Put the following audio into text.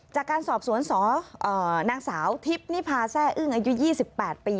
จากการสอบสวนสนางสาวทิพย์นิพาแซ่อึ้งอายุ๒๘ปี